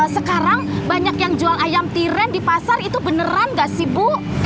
sekarang banyak yang jual ayam tiren di pasar itu beneran gak sih bu